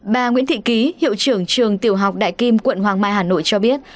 bà nguyễn thị ký hiệu trưởng trường tiểu học đại kim quận hoàng mai hà nội cho biết